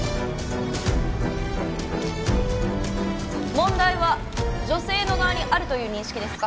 問題は女性の側にあるという認識ですか？